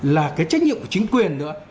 là cái trách nhiệm của chính quyền nữa